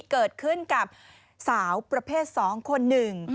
เกิดขึ้นกับสาวประเภท๒คนหนึ่ง